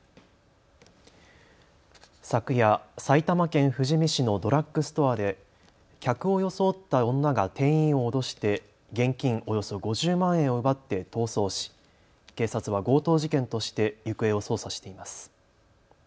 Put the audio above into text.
昨夜、埼玉県富士見市のドラッグストアで客を装った女が店員を脅して現金およそ５０万円を奪って逃走し警察は強盗事件として行方を捜査しています。